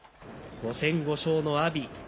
５戦５勝の阿炎。